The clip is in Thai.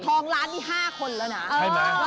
ทองล้านนี่๕คนแล้วนะ